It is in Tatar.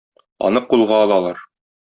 Аны кулга алалар.